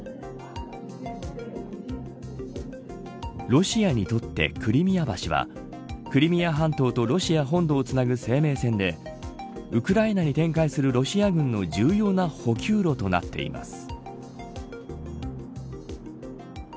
ロシアにとってクリミア橋はクリミア半島とロシア本土をつなぐ生命線でウクライナに展開するロシア軍の重要な補給路となっています